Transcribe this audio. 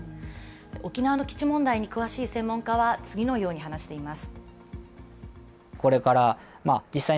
沖縄の基地問題に詳しい専門家は、次のように話しています。